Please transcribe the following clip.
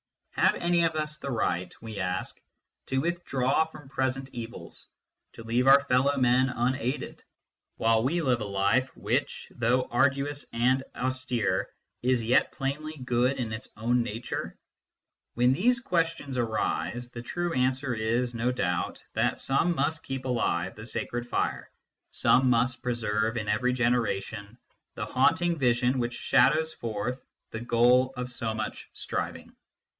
Have any of us the right, we ask, to withdraw from present evils, to leave our fellow men unaided, while we live a life which, though arduous and austere, is yet plainly good in its own nature ? When these questions arise, the true answer is, no doubt, that some must keep alive the sacred fire, some must preserve, in every genera tion, the haunting vision which shadows forth the goal of so much striving.